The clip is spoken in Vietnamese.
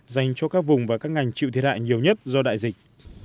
dành cho các vùng và các ngành chịu thiệt hại nhiều nhất do đại dịch